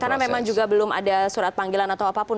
karena memang juga belum ada surat panggilan atau apapun